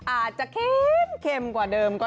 อาจจะเค็มเค็มกว่าเดิมก็ได้